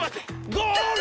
ゴール！